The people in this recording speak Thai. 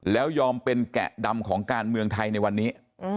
แล้วยอมเป็นแกะดำของการเมืองไทยในวันนี้